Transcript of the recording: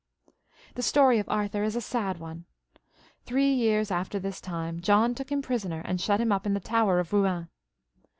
The story of Arthur is a sad one ; three years after this time, John took him prisoner and shut him up in the Tower of Eouen.